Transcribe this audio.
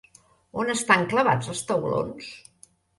On estan clavats els taulons?